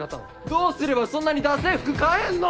どうすればそんなにダセえ服買えんの！